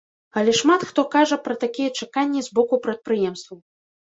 Але шмат хто кажа пра такія чаканні з боку прадпрыемстваў.